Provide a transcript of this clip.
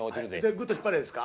グッと引っ張ればいいですか？